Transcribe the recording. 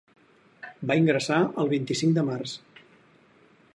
Va ingressar el vint-i-cinc de març.